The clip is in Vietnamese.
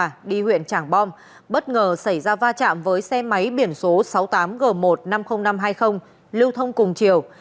khi huyện trảng bom bất ngờ xảy ra va chạm với xe máy biển số sáu mươi tám g một trăm năm mươi nghìn năm trăm hai mươi lưu thông cùng chiều